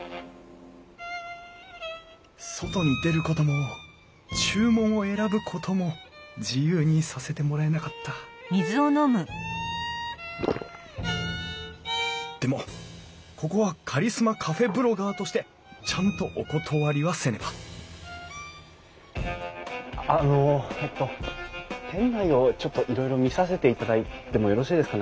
外に出ることも注文を選ぶことも自由にさせてもらえなかったでもここはカリスマカフェブロガーとしてちゃんとお断りはせねばあのえっと店内をちょっといろいろ見させていただいてもよろしいですかね？